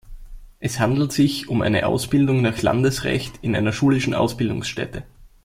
Es handelt sich um eine Ausbildung nach Landesrecht in einer schulischen Ausbildungsstätte.